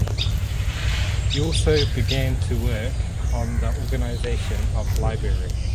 He also began to work on the organization of library.